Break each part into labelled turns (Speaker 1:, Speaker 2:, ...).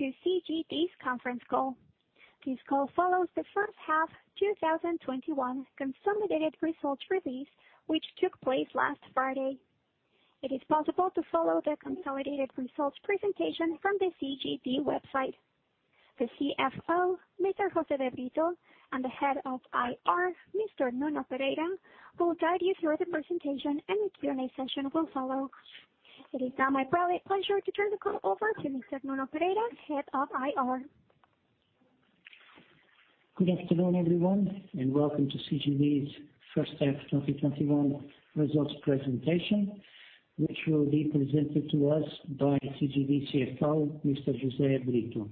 Speaker 1: Welcome to CGD's Conference Call. This call follows the first half 2021 consolidated results release, which took place last Friday. It is possible to follow the consolidated results presentation from the CGD website. The CFO, Mr. José Brito, and the Head of IR, Mr. Nuno Pereira, will guide you through the presentation. A Q&A session will follow. It is now my private pleasure to turn the call over to Mr. Nuno Pereira, Head of IR.
Speaker 2: Good afternoon, everyone, and welcome to CGD's first half 2021 results presentation, which will be presented to us by CGD CFO, Mr. José Brito.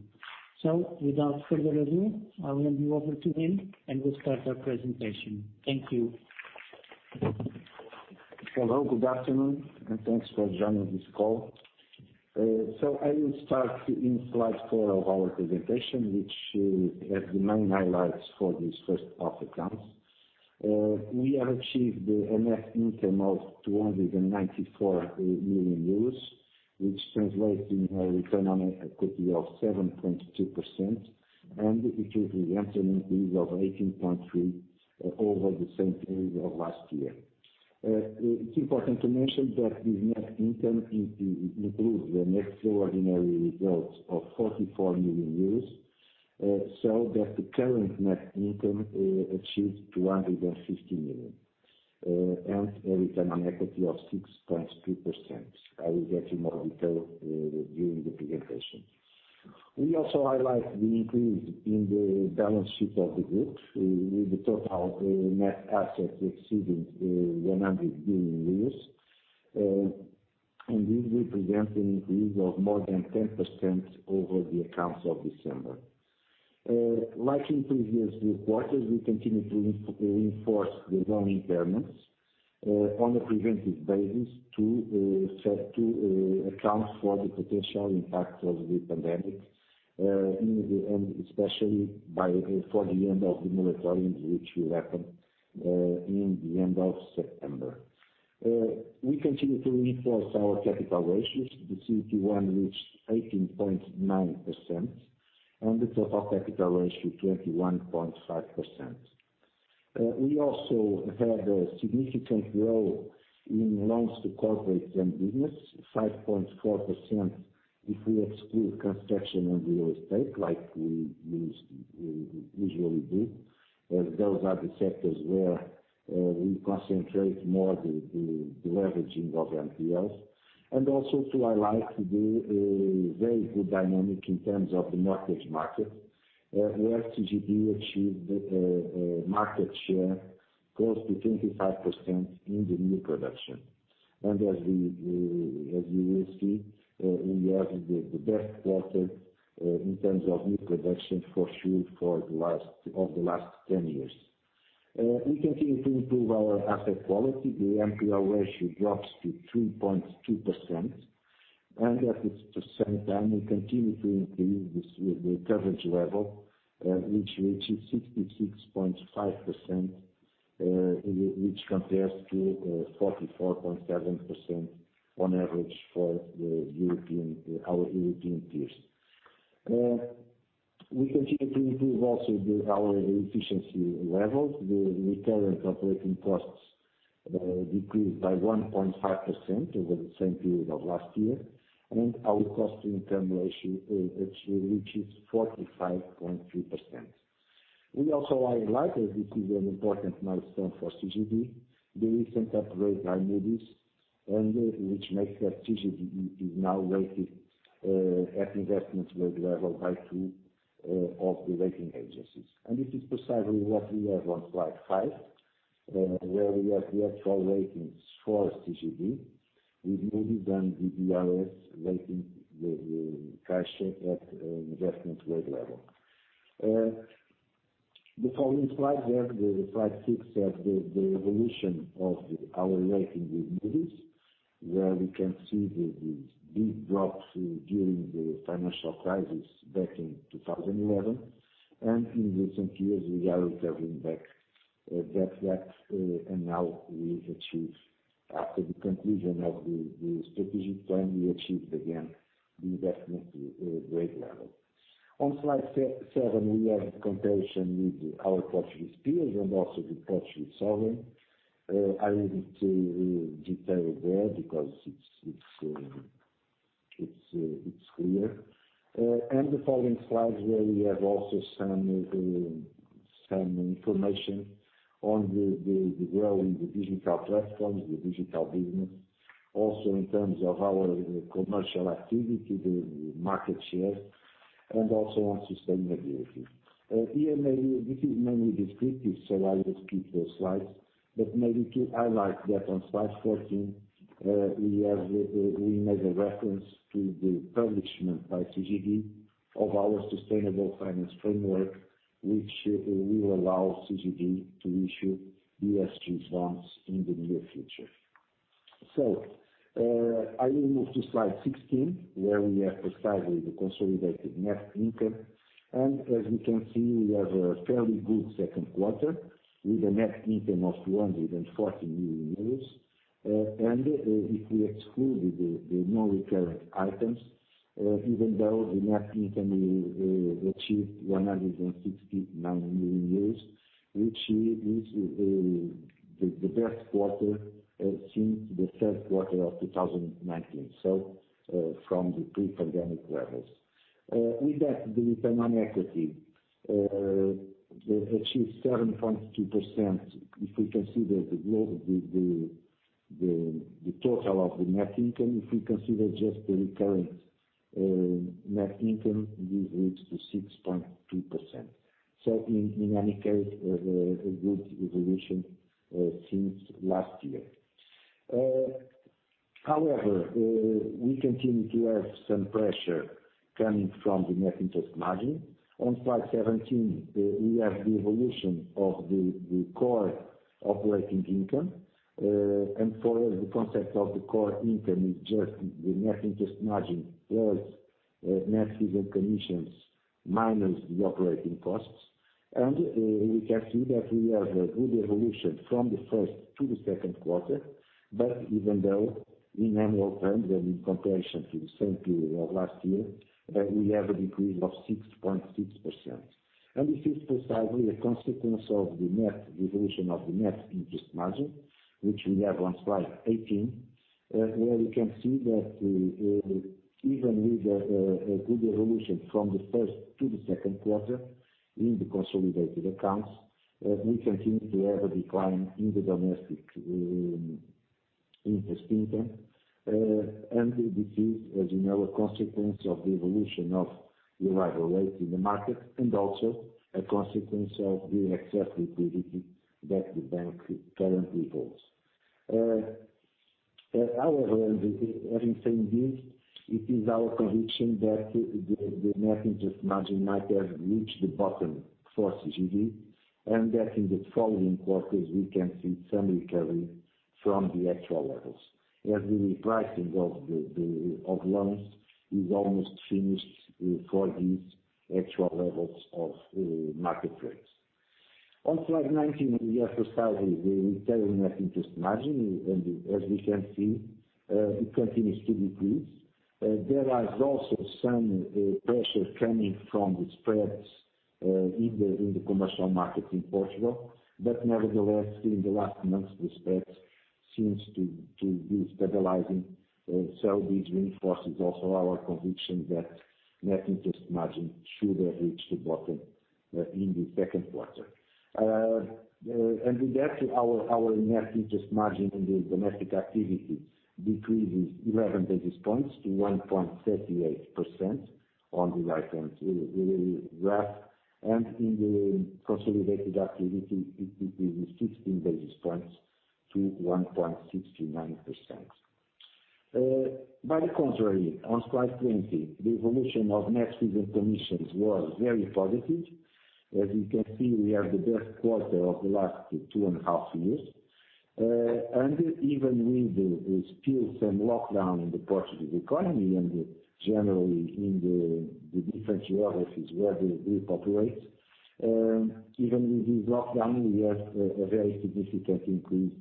Speaker 2: Without further ado, I will hand you over to him, and we'll start our presentation. Thank you.
Speaker 3: Hello. Good afternoon, and thanks for joining this call. I will start in slide four of our presentation, which has the main highlights for this first half accounts. We have achieved a net income of 294 million euros, which translates in a return on equity of 7.2%, and it is an increase of 18.3% over the same period of last year. It's important to mention that the net income improved the extraordinary results of 44 million euros, so that the current net income achieved 250 million and a return on equity of 6.2%. I will get in more detail during the presentation. We also highlight the increase in the balance sheet of the group with the total net assets exceeding 100 billion euros, and this represents an increase of more than 10% over the accounts of December. Like in previous reports, we continue to reinforce the loan impairments on a preventive basis to account for the potential impact of the pandemic, and especially for the end of the moratoriums which will happen in the end of September. We continue to reinforce our capital ratios. The CET1 reached 18.9% and the total capital ratio 21.5%. We also had a significant growth in loans to corporate and business, 5.4% if we exclude construction and real estate, like we usually do. Those are the sectors where we concentrate more the leveraging of NPLs. Also to highlight the very good dynamic in terms of the mortgage market, where CGD achieved a market share close to 25% in the new production. As you will see, we have the best quarter in terms of new production for sure of the last 10 years. We continue to improve our asset quality. The NPL ratio drops to 3.2%, at the same time, we continue to increase the coverage level, which reaches 66.5%, which compares to 44.7% on average for our European peers. We continue to improve also our efficiency levels. The recurrent operating costs decreased by 1.5% over the same period of last year, our cost-to-income ratio actually reaches 45.3%. We also highlight that this is an important milestone for CGD, the recent upgrade by Moody's, which makes that CGD is now rated at investment grade level by two of the rating agencies. This is precisely what we have on slide five, where we have the actual ratings for CGD with Moody's and the DBRS rating, Caixa, at investment grade level. The following slide, we have the slide six, the evolution of our rating with Moody's, where we can see the big drop during the financial crisis back in 2011. In recent years, we are recovering back that, and now we have achieved after the conclusion of the strategic plan, we achieved again the investment grade level. On slide seven, we have the comparison with our Portuguese peers and also the Portuguese sovereign. I won't detail there because it's clear. The following slides where we have also some information on the growth in the digital platforms, the digital business, also in terms of our commercial activity, the market share, and also on sustainability. This is mainly descriptive, so I will skip those slides, but maybe to highlight that on slide 14, we make a reference to the publishment by CGD of our sustainable finance framework, which will allow CGD to issue ESG bonds in the near future. I will move to slide 16, where we have precisely the consolidated net income. As we can see, we have a fairly good second quarter with a net income of 240 million euros. If we exclude the non-recurring items, even though the net income achieved 169 million euros, which is the best quarter since the third quarter of 2019, so from the pre-pandemic levels. With that, the return on equity, they've achieved 7.2%, if we consider the total of the net income. If we consider just the recurring net income, this reaches to 6.2%. In any case, a good evolution since last year. However, we continue to have some pressure coming from the net interest margin. On slide 17, we have the evolution of the core operating income, and for us the concept of the core income is just the net interest margin plus net fees and commissions, minus the operating costs. We can see that we have a good evolution from the first to the second quarter, but even though in annual terms and in comparison to the same period of last year, we have a decrease of 6.6%. This is precisely a consequence of the evolution of the net interest margin, which we have on slide 18. Where we can see that even with a good evolution from the first to the second quarter in the consolidated accounts, we continue to have a decline in the domestic interest income. This is, as you know, a consequence of the evolution of the Euribor rate in the market and also a consequence of the excess liquidity that the bank currently holds. However, having said this, it is our conviction that the net interest margin might have reached the bottom for CGD, and that in the following quarters we can see some recovery from the actual levels. As the repricing of loans is almost finished for these actual levels of market rates. On slide 19, we have precisely the recurring net interest margin, and as we can see, it continues to decrease. There is also some pressure coming from the spreads in the commercial markets in Portugal. Nevertheless, in the last months the spreads seems to be stabilizing. This reinforces also our conviction that net interest margin should have reached the bottom in the second quarter. With that, our net interest margin in the domestic activity decreases 11 basis points to 1.38% on the right-hand graph. In the consolidated activity, it decreases 16 basis points to 1.69%. By the contrary, on slide 20, the evolution of net fees and commissions was very positive. As you can see, we have the best quarter of the last two and a half years. Even with the still same lockdown in the Portuguese economy and generally in the different geographies where we operate, even with this lockdown, we have a very significant increase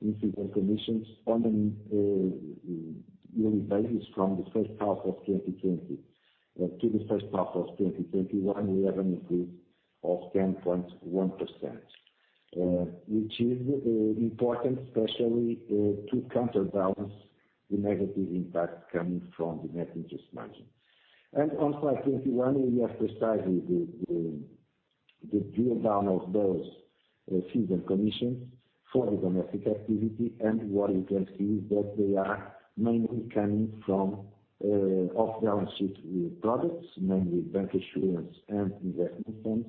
Speaker 3: in fees and commissions on an yearly basis from the first half of 2020. To the first half of 2021, we have an increase of 10.1%, which is important especially to counterbalance the negative impact coming from the net interest margin. On slide 21, we have precisely the drawdown of those fees and commissions for the domestic activity, and what you can see is that they are mainly coming from off-balance sheet products, mainly bancassurance and investment funds,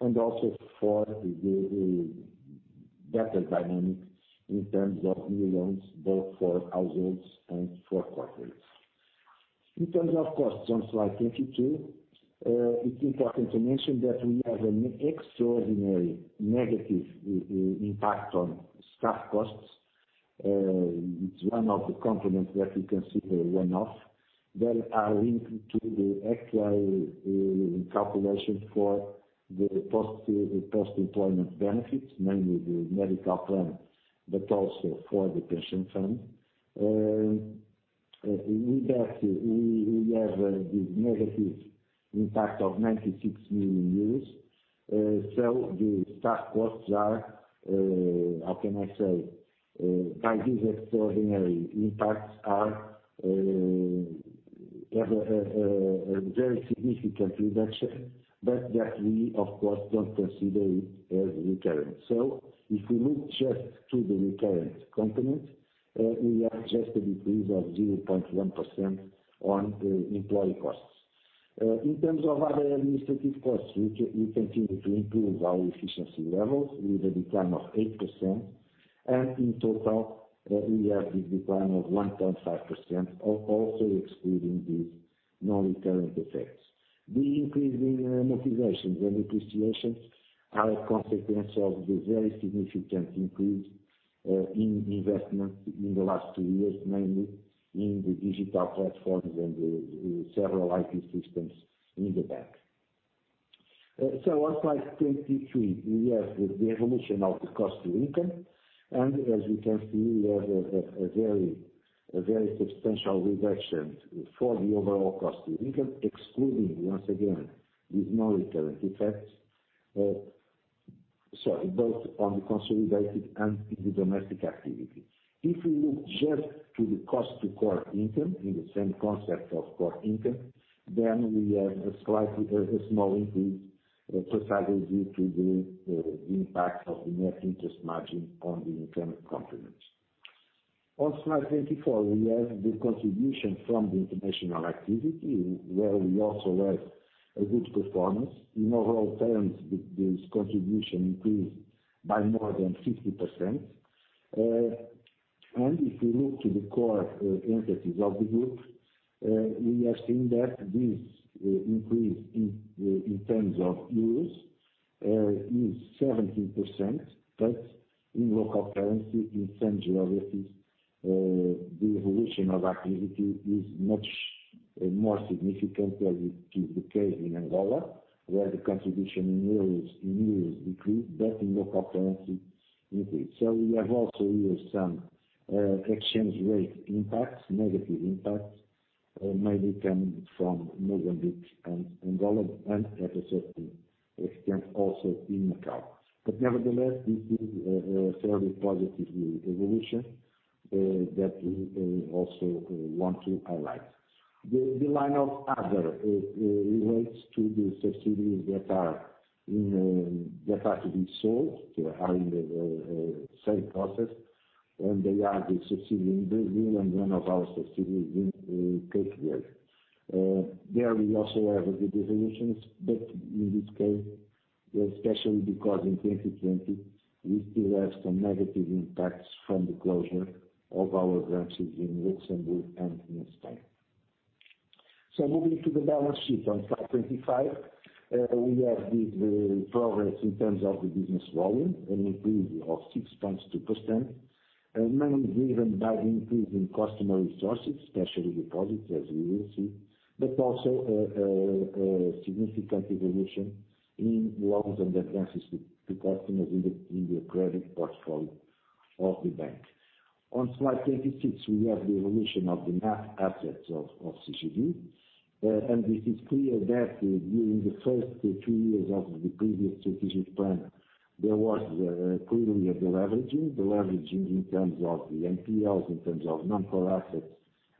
Speaker 3: and also for the better dynamic in terms of new loans, both for households and for corporates. In terms of costs on slide 22, it's important to mention that we have an extraordinary negative impact on staff costs. It's one of the components that we consider one-off, that are linked to the actual calculation for the post-employment benefits, mainly the medical plan, but also for the pension fund. With that, we have the negative impact of EUR 96 million. The staff costs are, how can I say, by these extraordinary impacts have a very significant reduction, but that we, of course, don't consider it as recurring. If we look just to the recurring component, we have just a decrease of 0.1% on employee costs. In terms of other administrative costs, we continue to improve our efficiency levels with a decline of 8%, and in total we have this decline of 1.5%, also excluding these non-recurring effects. The increase in amortizations and depreciations are a consequence of the very significant increase in investment in the last two years, mainly in the digital platforms and the several IT systems in the bank. On slide 23, we have the evolution of the cost-to-income, and as you can see, we have a very substantial reduction for the overall cost-to-income, excluding, once again, these non-recurring effects, both on the consolidated and in the domestic activity. If we look just to the cost-to-income in the same concept of core income, we have a slight small increase precisely due to the impact of the net interest margin on the income component. On slide 24, we have the contribution from the international activity, where we also have a good performance. In overall terms, this contribution increased by more than 50%. If you look to the core entities of the group, we are seeing that this increase in terms of euros is 17%, but in local currency, in some geographies, the evolution of activity is much more significant as is the case in Angola, where the contribution in euros decreased, but in local currency increased. We have also here some exchange rate impacts, negative impacts, mainly coming from Mozambique and Angola, and to a certain extent also in Macau. Nevertheless, this is a fairly positive evolution that we also want to highlight. The line of other relates to the subsidiaries that are to be sold. They are in the sale process, and they are the subsidiary in Brazil and one of our subsidiaries in Portugal. There we also have good evolutions. In this case, especially because in 2020, we still have some negative impacts from the closure of our branches in Luxembourg and in Spain. Moving to the balance sheet on slide 25, we have the progress in terms of the business volume, an increase of 6.2%, mainly driven by the increase in customer resources, especially deposits, as you will see, but also a significant evolution in loans and advances to customers in the credit portfolio of the bank. On slide 26, we have the evolution of the net assets of CGD. This is clear that during the first two years of the previous strategic plan, there was clearly a deleveraging in terms of the NPLs, in terms of non-core assets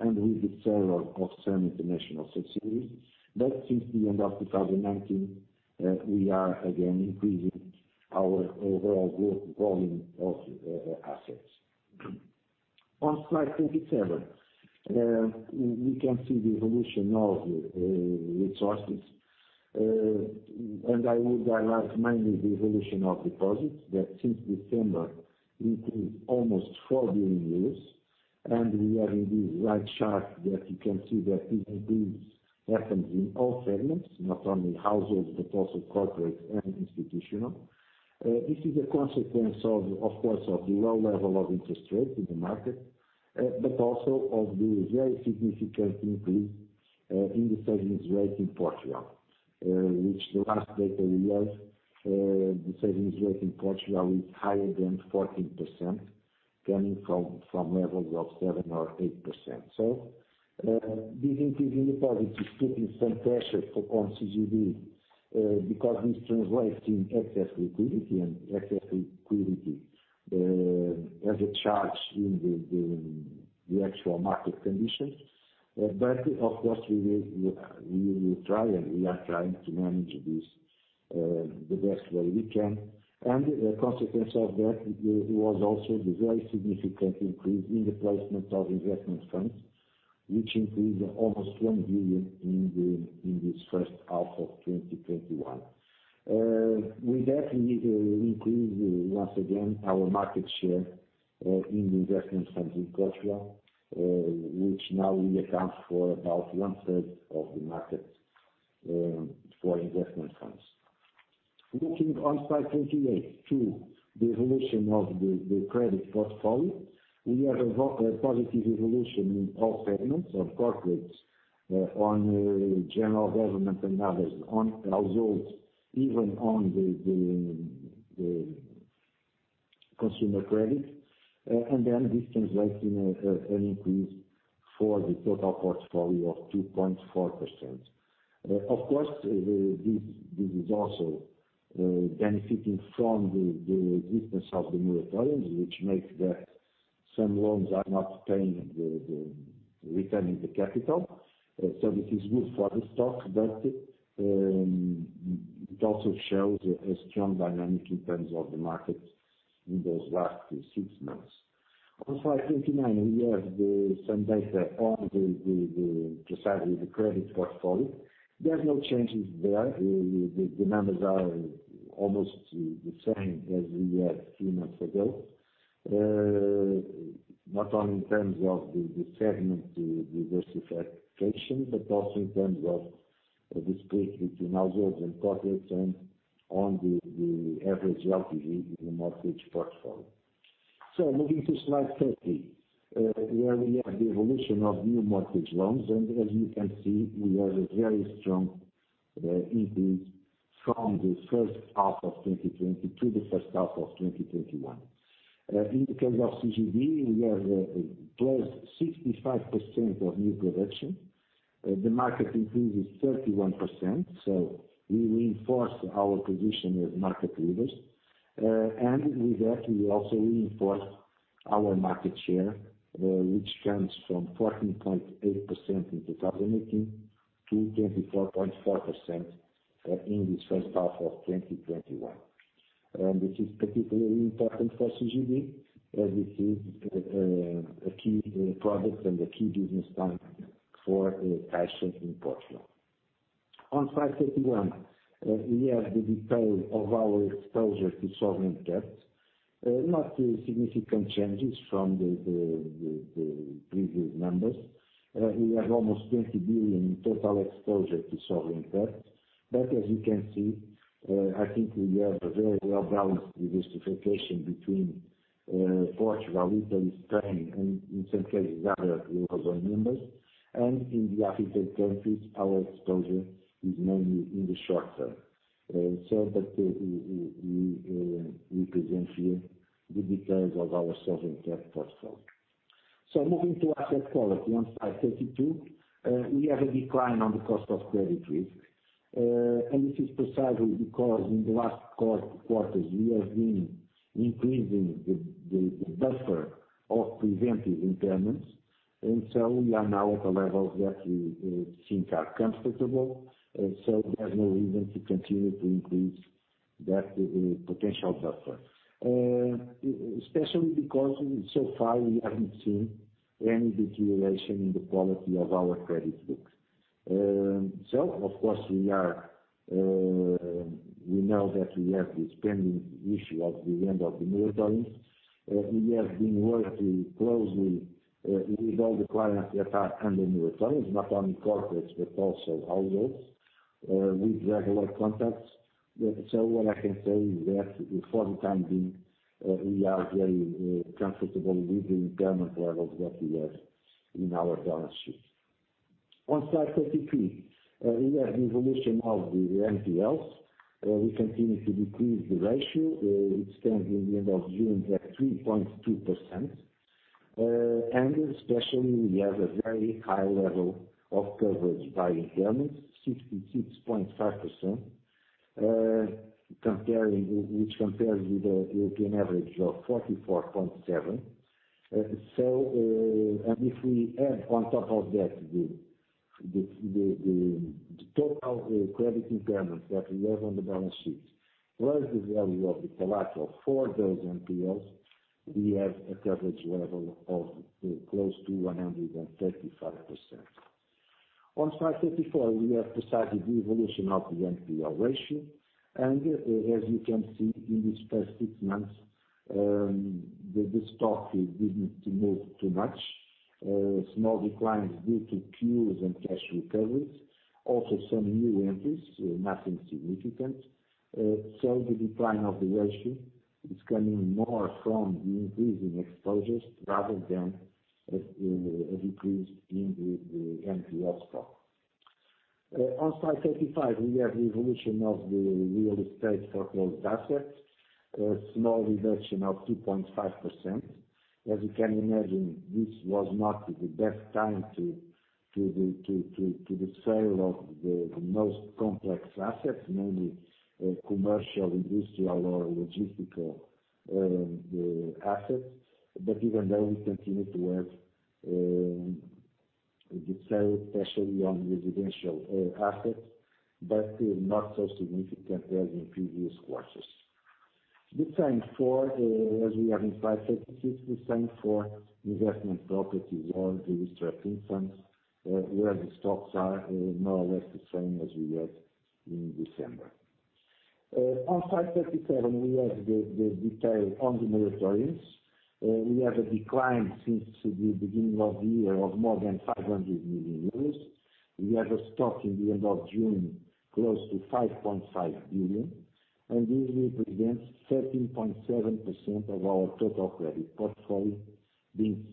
Speaker 3: and with the sale of some international subsidiaries. Since the end of 2019, we are again increasing our overall group volume of assets. On slide 27, we can see the evolution of resources. I would highlight mainly the evolution of deposits that since December increased almost EUR 4 billion. We have in this right chart that you can see that this increase happens in all segments, not only households, but also corporate and institutional. This is a consequence, of course, of the low level of interest rates in the market, but also of the very significant increase in the savings rate in Portugal which the last data we have, the savings rate in Portugal is higher than 14%, coming from levels of 7% or 8%. This increase in deposits is putting some pressure on CGD because this translates in excess liquidity. Excess liquidity has a charge in the actual market conditions. Of course, we will try. We are trying to manage the best way we can. A consequence of that was also the very significant increase in the placement of investment funds, which increased almost 1 billion in this first half of 2021. With that, we increased once again our market share in investment funds in Portugal which now accounts for about one third of the market for investment funds. Looking on slide 28 to the evolution of the credit portfolio, we have a positive evolution in all segments of corporates on general government and others, on households, even on the consumer credit. This translates in an increase for the total portfolio of 2.4%. Of course, this is also benefiting from the existence of the moratoriums, which makes some loans are not returning the capital. This is good for the stock, but it also shows a strong dynamic in terms of the market in those last six months. On slide 29, we have some data on precisely the credit portfolio. There's no changes there. The numbers are almost the same as we had three months ago, not only in terms of the segment diversification, but also in terms of the split between households and corporates and on the average LTV in the mortgage portfolio. Moving to slide 30, where we have the evolution of new mortgage loans. As you can see, we have a very strong increase from the first half of 2020 to the first half of 2021. In the case of CGD, we have close to 65% of new production. The market increase is 31%, so we reinforce our position as market leaders. With that, we also reinforce our market share, which comes from 14.8% in 2018 to 24.4% in this first half of 2021. This is particularly important for CGD as this is a key product and a key business line for Caixa in Portugal. On slide 31, we have the detail of our exposure to sovereign debt. Not significant changes from the previous numbers. We have almost 20 billion in total exposure to sovereign debt. As you can see, I think we have a very well-balanced diversification between Portugal, Italy, Spain, and in some cases, other Eurozone members. In the African countries, our exposure is mainly in the short term. We present here the details of our sovereign debt portfolio. Moving to asset quality on slide 32. We have a decline on the cost of credit risk. This is precisely because in the last quarters, we have been increasing the buffer of preventive impairments, and so we are now at a level that we think are comfortable. There's no reason to continue to increase that potential buffer. Especially because so far we haven't seen any deterioration in the quality of our credit books. Of course, we know that we have this pending issue at the end of the moratoriums. We have been working closely with all the clients that are under moratoriums, not only corporates, but also households, with regular contacts. What I can say is that for the time being, we are very comfortable with the impairment levels that we have in our balance sheet. On slide 33, we have the evolution of the NPLs. We continue to decrease the ratio. It stands at the end of June at 3.2%. Especially, we have a very high level of coverage by impairments, 66.5%, which compares with the European average of 44.7%. If we add on top of that the total credit impairments that we have on the balance sheet, plus the value of the collateral for those NPLs, we have a coverage level of close to 135%. On slide 34, we have precisely the evolution of the NPL ratio. As you can see in these past six months, the stock didn't move too much. Small declines due to cures and cash recoveries. Also some new entries, nothing significant. The decline of the ratio is coming more from the increase in exposures rather than a decrease in the NPL stock. On slide 35, we have the evolution of the real estate foreclosed assets, a small reduction of 2.5%. As you can imagine, this was not the best time to the sale of the most complex assets, mainly commercial, industrial, or logistical assets. Even though we continue to have the sale, especially on residential assets, but not so significant as in previous quarters. The same for, as we have in slide 36, the same for investment properties or registered funds, where the stocks are more or less the same as we had in December. On slide 37, we have the detail on the moratoriums. We have a decline since the beginning of the year of more than 500 million euros. We have a stock at the end of June close to 5.5 billion, and this represents 13.7% of our total credit portfolio, being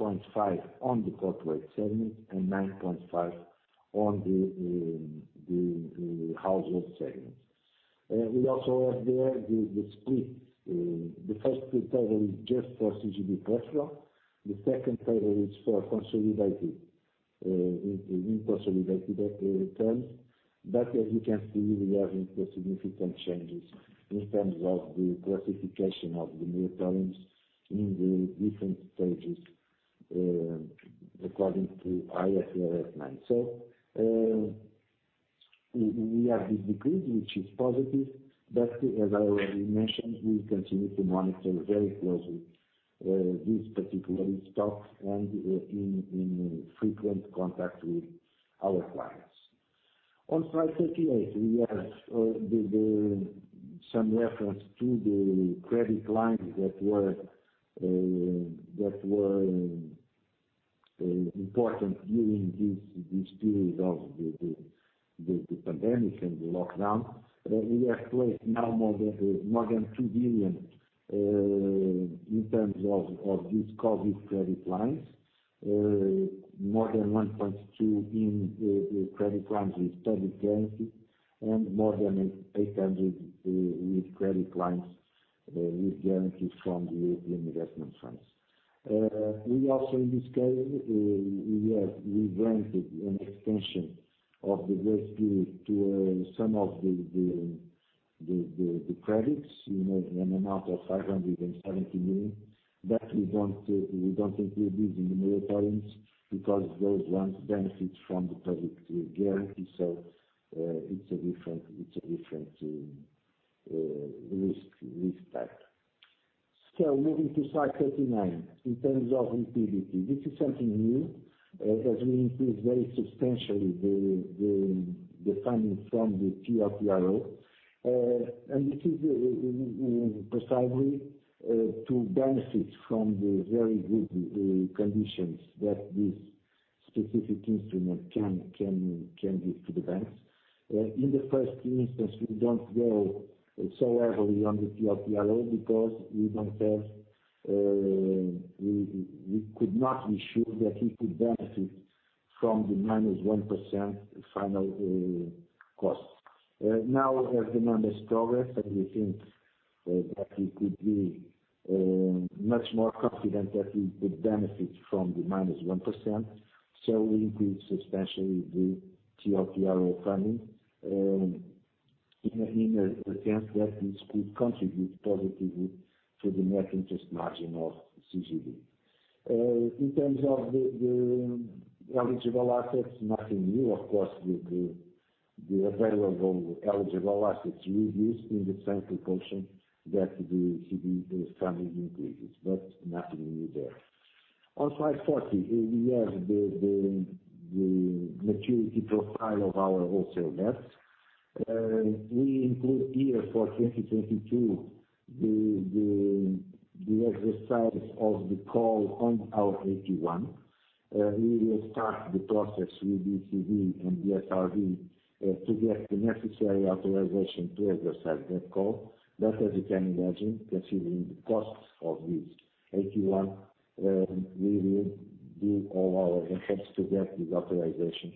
Speaker 3: 16.5% on the corporate segment and 9.5% on the household segment. We also have there the split. The first table is just for CGD portfolio. The second table is for interconsolidated terms. As you can see, we are having no significant changes in terms of the classification of the moratoriums in the different stages, according to IFRS 9. We have this decrease, which is positive, but as I already mentioned, we continue to monitor very closely this particular stock and in frequent contact with our clients. On slide 38, we have some reference to the credit lines that were important during this period of the pandemic and the lockdown. We have placed now more than 2 billion in terms of these COVID credit lines, more than 1.2 billion in the credit lines with public guarantee and more than 800 million with credit lines with guarantees from the European Investment Fund. We also, in this case, we granted an extension of the grace period to some of the credits in an amount of 570 million. We don't include in the numerator items because those ones benefit from the public guarantee. It's a different risk type. Moving to slide 39. In terms of liquidity, this is something new as we increase very substantially the funding from the TLTRO. This is precisely to benefit from the very good conditions that this specific instrument can give to the banks. In the first instance, we don't go so heavily on the TLTRO because we could not be sure that we could benefit from the -1% final cost. As the months progress, we think that we could be much more confident that we could benefit from the -1%. We increased substantially the TLTRO funding in the sense that this could contribute positively to the net interest margin of CGD. In terms of the eligible assets, nothing new. Of course, with the available eligible assets reduced in the same proportion that the funding increases, but nothing new there. On slide 40, we have the maturity profile of our wholesale debt. We include here for 2022 the exercise of the call on our AT1. We will start the process with ECB and SRB to get the necessary authorization to exercise that call. As you can imagine, considering the costs of this AT1, we will do all our efforts to get this authorization,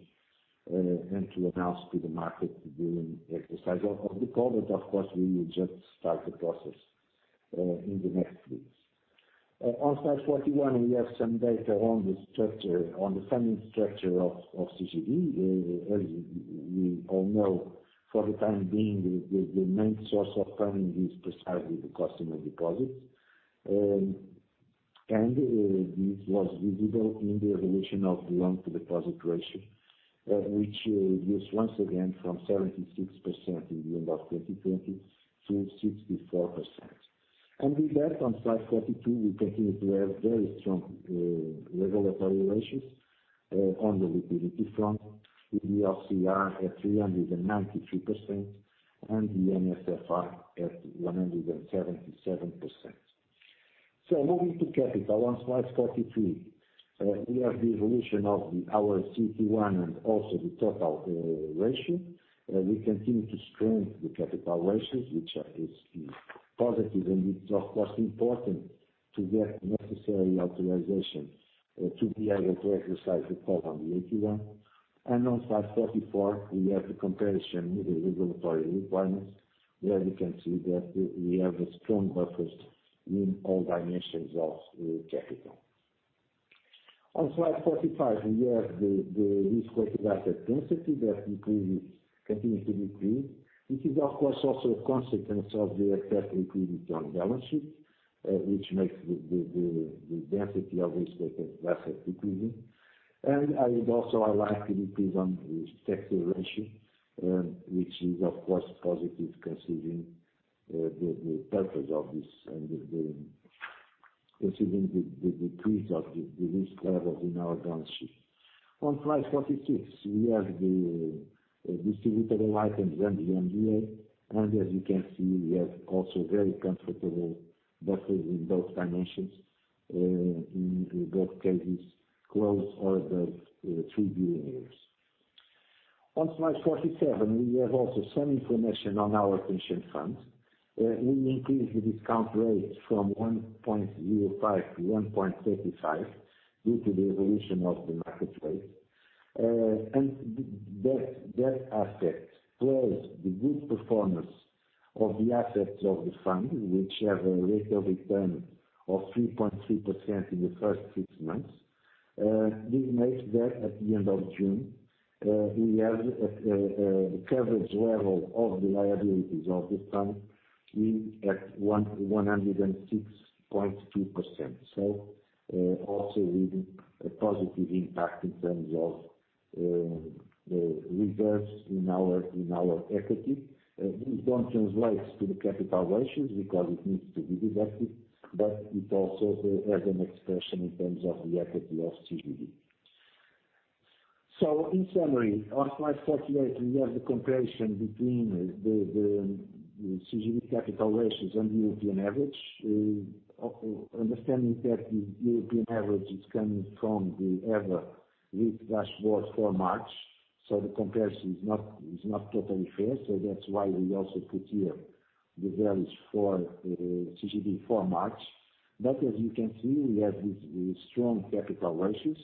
Speaker 3: and to announce to the market the exercise of the call. Of course, we will just start the process in the next weeks. On slide 41, we have some data on the funding structure of CGD. As we all know, for the time being, the main source of funding is precisely the customer deposits. This was visible in the evolution of the loan-to-deposit ratio, which reduced once again from 76% at the end of 2020 to 64%. With that, on slide 42, we continue to have very strong regulatory ratios on the liquidity front, with the LCR at 393% and the NSFR at 177%. Moving to capital on slide 43. We have the evolution of our CET1 and also the total ratio. We continue to strengthen the capital ratios, which is positive and it's of course important to get the necessary authorization to be able to exercise the call on the AT1. On slide 44, we have the comparison with the regulatory requirements, where we can see that we have a strong buffers in all dimensions of capital. On slide 45, we have the risk-weighted asset density that continues to decrease, which is, of course, also a consequence of the excess liquidity on balance sheet, which makes the density of risk-weighted assets decreasing. I would also highlight the decrease on the Texas ratio, which is, of course, positive considering the purpose of this and considering the decrease of the risk levels in our balance sheet. On slide 46, we have the distributable items and the MDA, as you can see, we have also very comfortable buffers in both dimensions, in both cases close or above 3 billion. On slide 47, we have also some information on our pension fund. We increased the discount rate from 1.05%-1.35% due to the evolution of the marketplace. That aspect, plus the good performance of the assets of the fund, which have a rate of return of 3.3% in the first six months, this makes that at the end of June, we have a coverage level of the liabilities of the fund at 106.2%. Also with a positive impact in terms of reverse in our equity. This don't translate to the capital ratios because it needs to be deducted, but it also has an expression in terms of the equity of CGD. In summary, on slide 48, we have the comparison between the CGD capital ratios and the European average. Understanding that the European average is coming from the EBA risk dashboard for March, the comparison is not totally fair. That's why we also put here the values for CGD for March. As you can see, we have these strong capital ratios.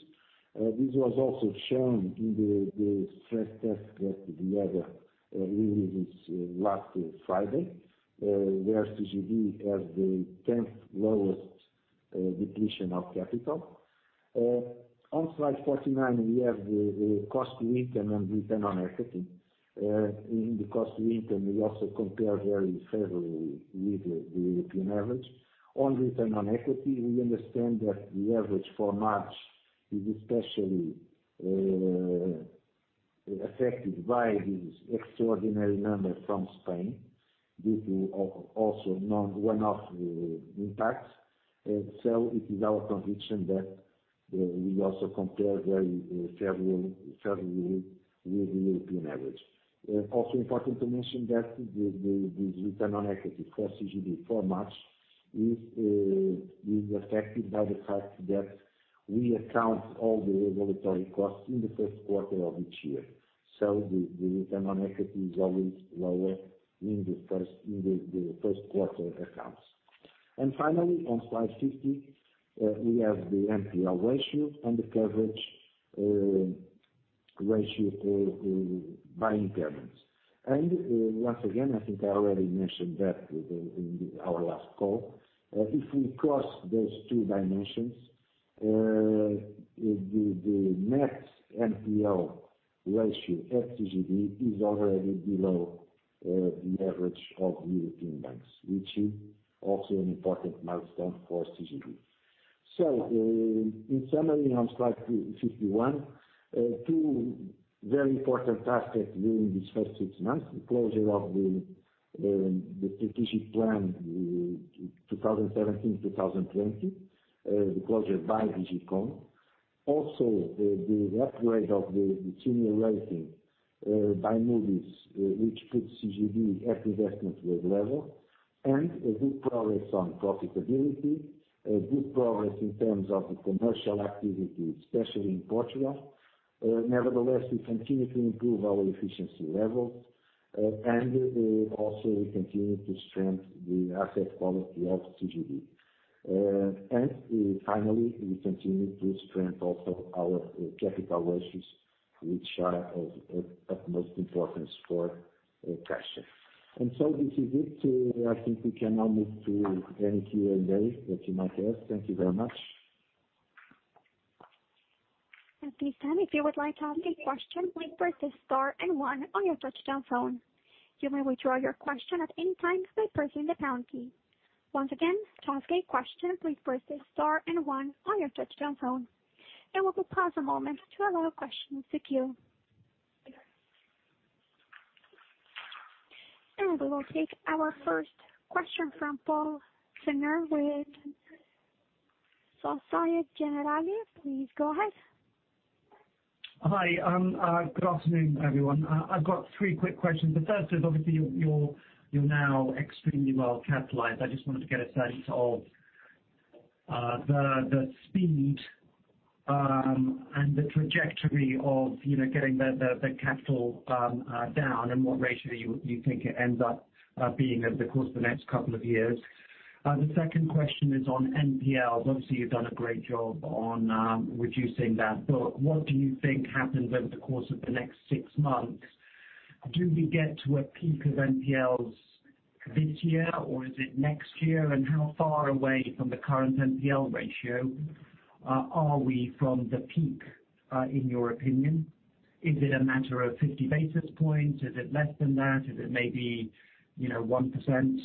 Speaker 3: This was also shown in the stress test that the EBA released last Friday, where CGD has the 10th lowest depletion of capital. On slide 49, we have the cost-to-income and return on equity. In the cost-to-income, we also compare very favorably with the European average. On return on equity, we understand that the average for March is especially affected by this extraordinary number from Spain. This is also a one-off impact. It is our conviction that we also compare very favorably with the European average. It is also important to mention that the return on equity for CGD for March is affected by the fact that we account all the regulatory costs in the first quarter of each year. The return on equity is always lower in the first quarter accounts. Finally, on slide 50, we have the NPL ratio and the coverage ratio by impairments. Once again, I think I already mentioned that in our last call, if we cross those two dimensions, the net NPL ratio at CGD is already below the average of European banks, which is also an important milestone for CGD. In summary, on slide 51, two very important aspects during these first six months, the closure of the strategic plan, the 2017-2020, the closure by DG Comp. The upgrade of the senior rating by Moody's, which puts CGD at investment grade level, and a good progress on profitability, a good progress in terms of the commercial activity, especially in Portugal. We continue to improve our efficiency levels, and also we continue to strengthen the asset quality of CGD. Finally, we continue to strengthen also our capital ratios, which are of utmost importance for Caixa. This is it. I think we can now move to any Q&A that you might have. Thank you very much.
Speaker 1: We will take our first question from Paul [Canner] with Société Générale. Please go ahead.
Speaker 4: Hi. Good afternoon, everyone. I've got three quick questions. The first is obviously you're now extremely well-capitalized. I just wanted to get a sense of the speed and the trajectory of getting the capital down and what ratio you think it ends up being over the course of the next couple of years. The second question is on NPL. Obviously, you've done a great job on reducing that, Paul. What do you think happens over the course of the next six months? Do we get to a peak of NPLs this year, or is it next year? How far away from the current NPL ratio are we from the peak, in your opinion? Is it a matter of 50 basis points? Is it less than that? Is it maybe 1%?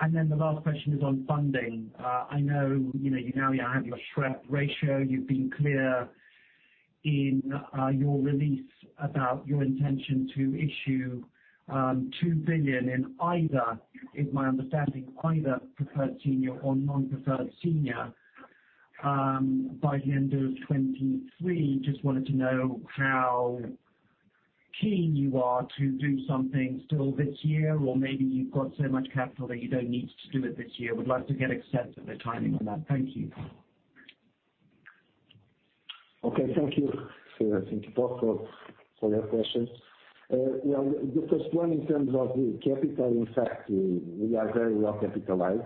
Speaker 4: The last question is on funding. I know you now have your SREP ratio. You've been clear in your release about your intention to issue 2 billion in either, is my understanding, either preferred senior or non-preferred senior by the end of 2023. Just wanted to know how keen you are to do something still this year, maybe you've got so much capital that you don't need to do it this year. Would like to get a sense of the timing on that. Thank you.
Speaker 3: Okay. Thank you, I think, Paul, for your questions. The first one in terms of the capital, in fact, we are very well capitalized.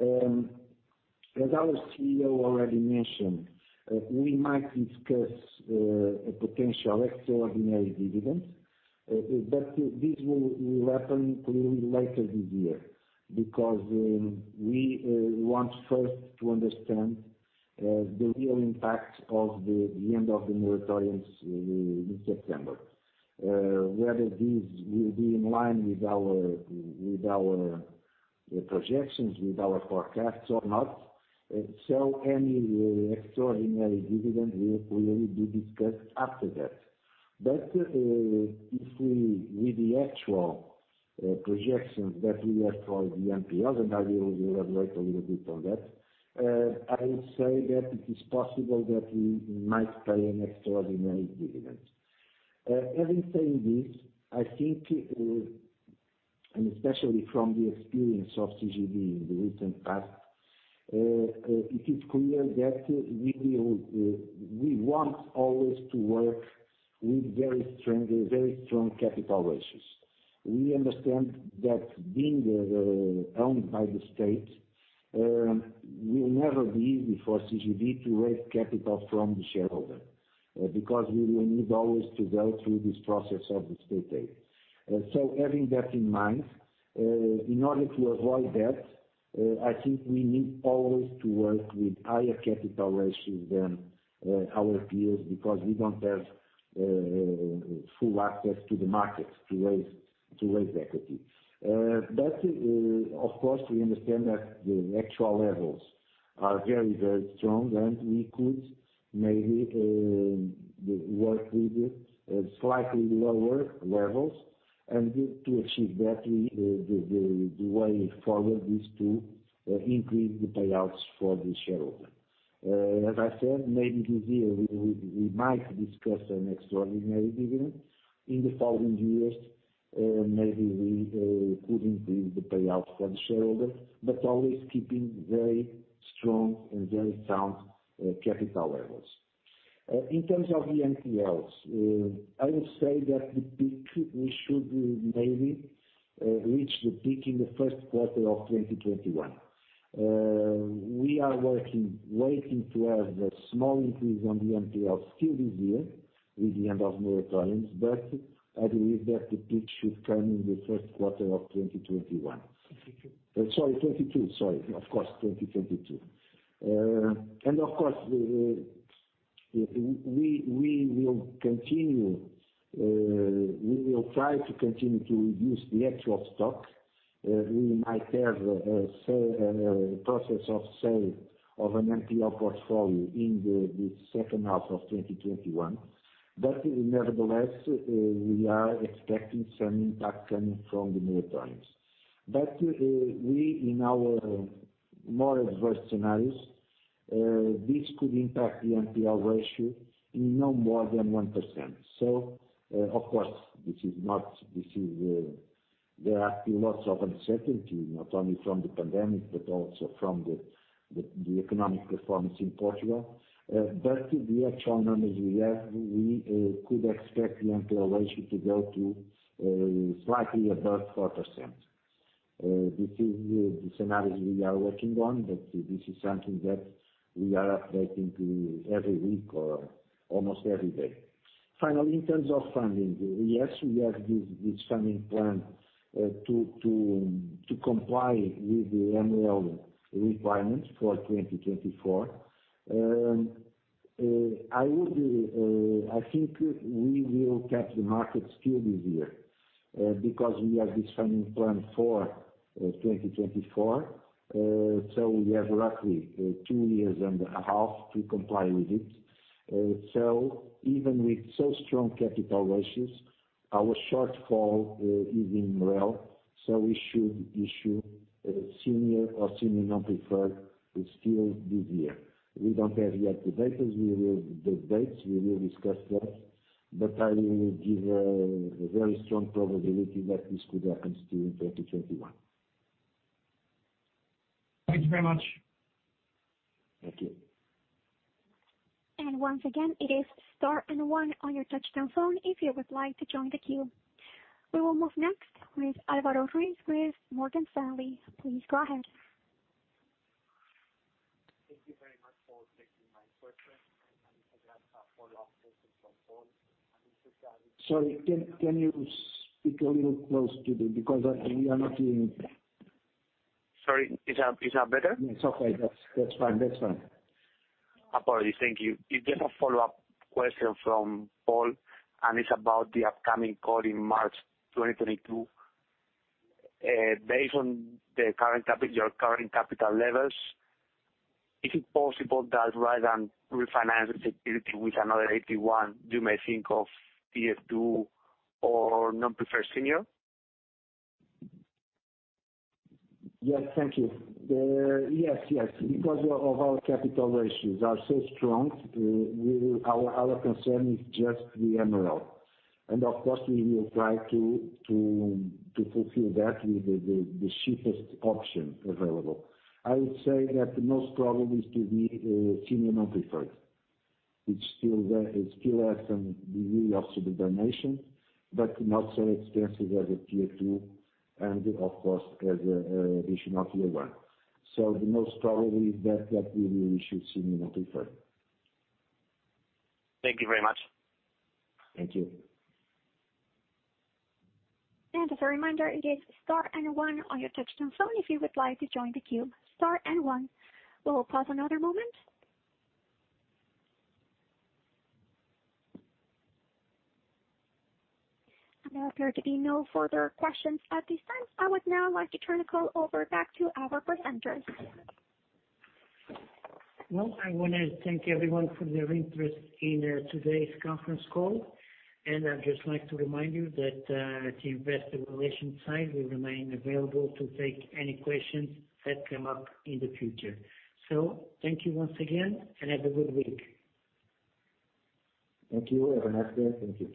Speaker 3: As our CEO already mentioned, we might discuss a potential extraordinary dividend, but this will happen clearly later this year because we want first to understand the real impact of the end of the moratoriums in September, whether this will be in line with our projections, with our forecasts or not. Any extraordinary dividend will clearly be discussed after that. If with the actual projections that we have for the NPLs, and I will elaborate a little bit on that, I will say that it is possible that we might pay an extraordinary dividend. Having said this, I think, and especially from the experience of CGD in the recent past, it is clear that we want always to work with very strong capital ratios. We understand that being owned by the state, will never be easy for CGD to raise capital from the shareholder, because we will need always to go through this process of the state aid. Having that in mind, in order to avoid that, I think we need always to work with higher capital ratios than our peers, because we don't have full access to the market to raise equity. Of course, we understand that the actual levels are very, very strong, and we could maybe work with slightly lower levels. To achieve that, the way forward is to increase the payouts for the shareholder. As I said, maybe this year, we might discuss an extraordinary dividend. In the following years, maybe we could increase the payouts for the shareholder, but always keeping very strong and very sound capital levels. In terms of the NPLs, I will say that we should maybe reach the peak in the first quarter of 2021. We are working, waiting to have a small increase on the NPL still this year, with the end of moratoriums, but I believe that the peak should come in the first quarter of 2021.
Speaker 2: Twenty-two.
Speaker 3: Sorry, 2022. Sorry. Of course, 2022. Of course, we will try to continue to reduce the actual stock. We might have a process of sale of an NPL portfolio in the second half of 2021. Nevertheless, we are expecting some impact coming from the moratoriums. We, in our more adverse scenarios, this could impact the NPL ratio in no more than 1%. Of course, there are still lots of uncertainty, not only from the pandemic, but also from the economic performance in Portugal. The actual numbers we have, we could expect the NPL ratio to go to slightly above 4%. This is the scenarios we are working on, but this is something that we are updating every week or almost every day. Finally, in terms of funding, yes, we have this funding plan to comply with the MREL requirements for 2024. I think we will catch the market still this year, because we have this funding plan for 2024. We have roughly two years and a half to comply with it. Even with so strong capital ratios, our shortfall is in MREL, so we should issue senior or senior non-preferred still this year. We don't have yet the dates. We will discuss that, but I will give a very strong probability that this could happen still in 2021.
Speaker 4: Thank you very much.
Speaker 3: Thank you.
Speaker 1: Once again, it is star and one on your touchtone phone if you would like to join the queue. We will move next with Alvaro Ruiz with Morgan Stanley. Please go ahead.
Speaker 5: Thank you very much for taking my question. I just have a follow-up question from Paul.
Speaker 3: Sorry, can you speak a little close to the. We are not hearing.
Speaker 5: Sorry, is that better?
Speaker 3: Yes, okay. That's fine.
Speaker 5: Apology. Thank you. It's just a follow-up question from Paul, and it's about the upcoming call in March 2022. Based on your current capital levels, is it possible that rather than refinance the security with another AT1, you may think of Tier 2 or senior non-preferred?
Speaker 3: Yes. Thank you. Yes. Because of our capital ratios are so strong, our concern is just the MREL. Of course, we will try to fulfill that with the cheapest option available. I would say that the most probably is to be senior non-preferred. It still has some degree of subordination, not so expensive as a Tier 2 and of course, as the issue of Tier 1. The most probably is that we will issue senior non-preferred.
Speaker 5: Thank you very much.
Speaker 3: Thank you.
Speaker 1: As a reminder, it is star and one on your touchtone phone if you would like to join the queue, star and one. We will pause another moment. There appear to be no further questions at this time. I would now like to turn the call over back to our presenters.
Speaker 2: Well, I want to thank everyone for their interest in today's conference call, and I'd just like to remind you that the investor relations side will remain available to take any questions that come up in the future. Thank you once again, and have a good week.
Speaker 3: Thank you. Have a nice day. Thank you.